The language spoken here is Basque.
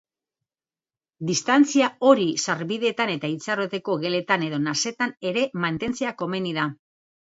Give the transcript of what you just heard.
Distantzia hori sarbideetan eta itxaroteko geletan edo nasetan ere mantentzea komeni da.